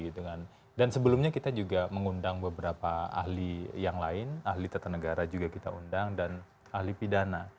dan sebelumnya kita juga mengundang beberapa ahli yang lain ahli tata negara juga kita undang dan ahli pidana